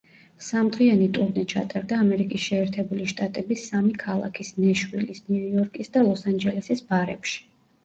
სამ დღიანი ტურნე ჩატარდა ამერიკის შეერთებული შტატების სამი ქალაქის, ნეშვილის, ნიუ-იორკის და ლოს-ანჯელესის ბარებში.